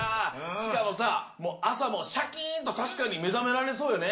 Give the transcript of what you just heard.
しかもさあさもシャキーンとたしかにめざめられそうよね。